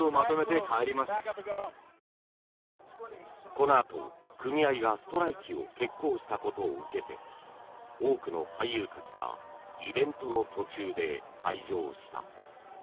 このあと組合がストライキを決行したことを受けて多くの俳優たちがイベントの途中で退場した。